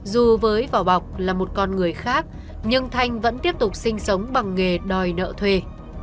dù với vỏ bọc là một con người khác nhưng thanh vẫn tiếp tục sinh sống bằng nghề đòi nợ thuê